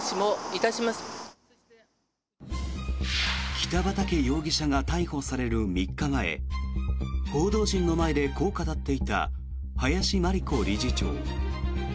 北畠容疑者が逮捕される３日前報道陣の前でこう語っていた林真理子理事長。